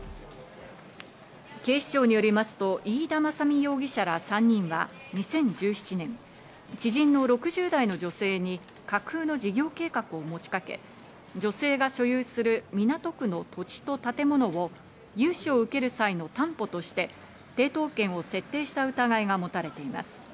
警視庁によりますと飯田正己容疑者ら３人は２０１７年知人の６０代の女性に架空の事業計画を持ちかけ、女性が所有する港区の土地と建物を融資を受ける際の担保として抵当権を設定した疑いが持たれています。